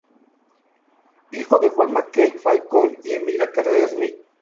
Hijo de Juan Mac-Kay Falcón y Emilia Carrera Smith.